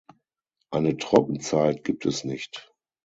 Eine Trockenzeit gibt es nicht.